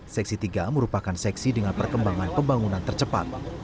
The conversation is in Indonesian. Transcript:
seksi tiga merupakan seksi dengan perkembangan pembangunan tercepat